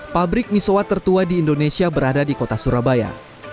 pabrik misoa tertua di indonesia berada di kota surabaya